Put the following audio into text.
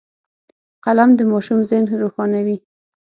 قلم د ماشوم ذهن روښانوي